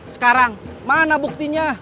sekarang mana buktinya